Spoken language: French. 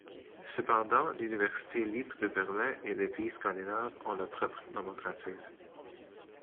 Cependant, l'université libre de Berlin et les pays scandinaves ont leur propre nomenclature.